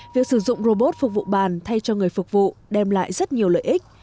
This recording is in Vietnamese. việc sử dụng robot phục vụ bàn thay cho người phục vụ đem lại rất nhiều lợi ích